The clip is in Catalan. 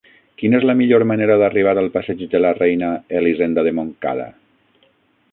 Quina és la millor manera d'arribar al passeig de la Reina Elisenda de Montcada?